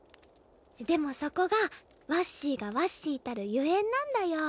でもそこがわっしーがわっしーたるゆえんなんだよ。